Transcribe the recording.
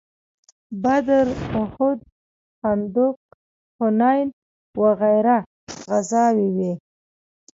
بدر، احد، خندق، حنین وغیره غزاوې وې.